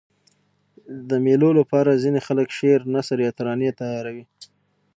د مېلو له پاره ځيني خلک شعر، نثر یا ترانې تیاروي.